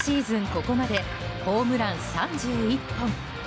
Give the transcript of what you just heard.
ここまでホームラン３１本。